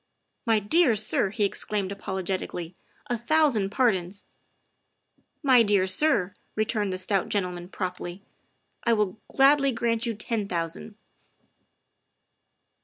'' My dear sir, '' he exclaimed apologetically, '' a thou sand pardons!" 58 THE WIFE OF " My dear sir," returned the stout gentleman promptly, " I will gladly grant you ten thousand."